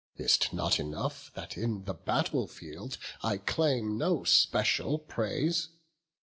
Is't not enough, that in the battle field I claim no special praise?